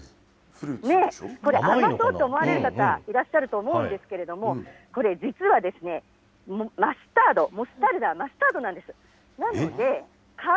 これ、甘そうと思われる方、いらっしゃると思うんですけれども、これ、実は、マスタード、モッツァレラはマスタードなんです。